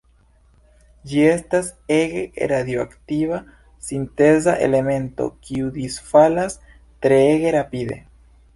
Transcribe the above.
Ĝi estas ege radioaktiva sinteza elemento kiu disfalas treege rapide.